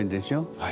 はい。